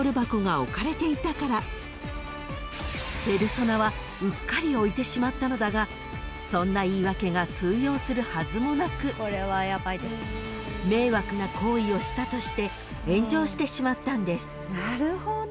［ペルソナはうっかり置いてしまったのだがそんな言い訳が通用するはずもなく迷惑な行為をしたとして炎上してしまったんです］